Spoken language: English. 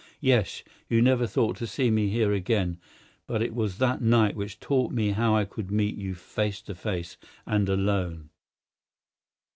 Yes, you never thought to see me here again, but it was that night which taught me how I could meet you face to face, and alone.